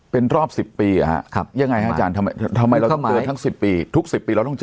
เป็นรอบสิบปียังไงอาจารย์ทำไมทั้งสิบปีทุกสิบปีเราต้องเจอ